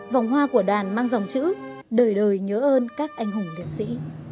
vòng hoa của đoàn mang dòng chữ đời đời nhớ ơn các anh hùng liệt sĩ